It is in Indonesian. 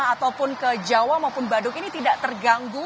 ataupun ke jawa maupun badung ini tidak terganggu